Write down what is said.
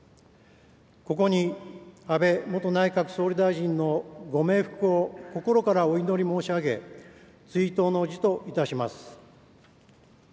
ここに安倍元内閣総理大臣のご冥福を心からお祈り申し上げ、追悼の辞といたします。